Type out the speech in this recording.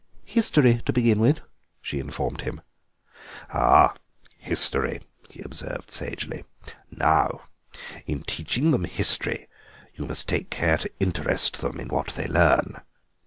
"History to begin with," she informed him. "Ah, history," he observed sagely; "now in teaching them history you must take care to interest them in what they learn.